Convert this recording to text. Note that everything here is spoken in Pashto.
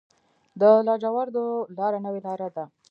د لاجوردو لاره نوې لاره ده